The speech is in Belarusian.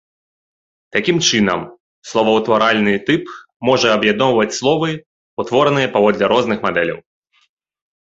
Такім чынам, словаўтваральны тып можа аб'ядноўваць словы, утвораныя паводле розных мадэляў.